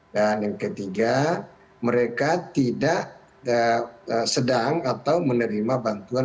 dan yang ketiga mereka tidak sedang atau menerima bantuan